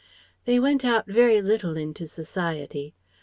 They went out very little into Society.